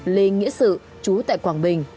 lê nghĩa sự chú tại quảng bình